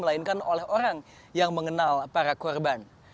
tapi dilakukan oleh orang yang mengenal para korban